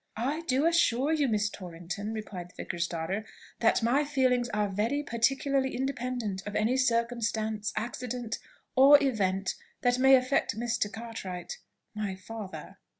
"I do assure you, Miss Torrington," replied the vicar's daughter, "that my feelings are very particularly independent of any circumstance, accident, or event, that may affect Mr. Cartwright ... my father."